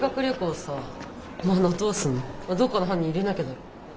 どっかの班に入れなきゃだろ？